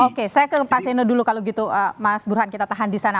oke saya ke pak seno dulu kalau gitu mas burhan kita tahan di sana